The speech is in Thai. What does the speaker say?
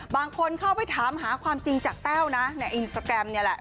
บางคนเข้าไปถามหาความจริงจากแต้วนะในอินสตราแกรมนี่แหละ